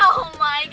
aduh mau mabok sih